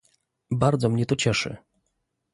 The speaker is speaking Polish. Bardzo mnie to cieszy